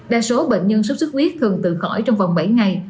đa số bệnh nhân sốt sốt huyết thường tự khỏi trong vòng bảy ngày